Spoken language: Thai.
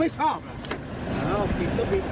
อ้าวผิดก็ผิดสิ